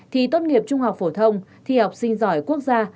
thì tốt nghiệp trung học phổ thông thi học sinh giỏi quốc gia